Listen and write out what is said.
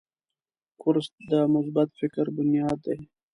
کورس د مثبت فکر بنیاد دی.